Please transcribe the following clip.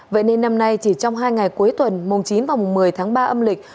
vậy nên năm nay chỉ trong hai ngày cuối tuần mùng chín và mùng một mươi tháng ba âm lịch